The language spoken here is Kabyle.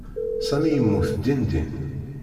Sami yemmut dindin.